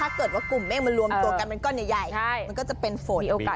ถ้าเกิดว่ากลุ่มมัวลวมตัวกันมันก็ใหญ่มันก็จะเป็นฝนมีโอกาส